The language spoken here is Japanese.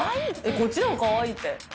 こっちの方がかわいいって。